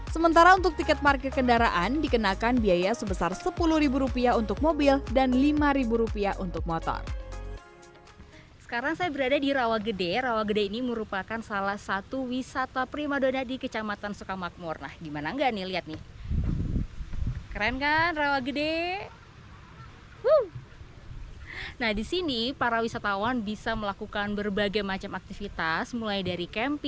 sementara untuk tiket parkir kendaraan dikenakan biaya sebesar sepuluh ribu rupiah untuk mobil dan lima ribu rupiah untuk motor